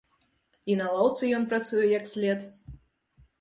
І на лаўцы ён працуе, як след.